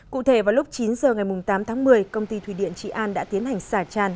cụ thể vào lúc chín giờ ngày tám tháng một mươi công ty thủy điện trị an đã tiến hành xả tràn